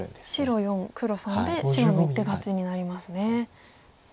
白４黒３で白の１手勝ちになりますね。